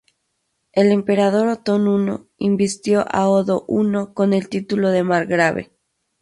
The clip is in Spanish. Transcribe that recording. El emperador Otón I invistió a Odo I con el título de margrave.